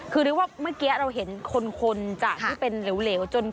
คือฤวภะเมื่อไก๊เราเห็นคนจากที่เป็นเหลวจนคน